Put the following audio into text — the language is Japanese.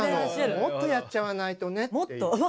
もっとやっちゃわないと。